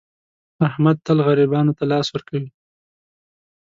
احمد تل غریبانو ته لاس ور کوي.